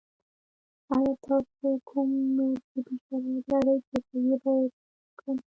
ایا تاسو کوم نور طبي شرایط لرئ چې زه یې باید خبر کړم؟